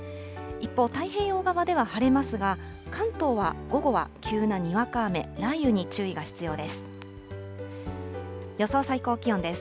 一方、太平洋側では晴れますが、関東は午後は急なにわか雨、雷雨に注意が必要です。